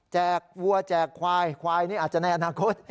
วัวแจกควายควายนี่อาจจะในอนาคต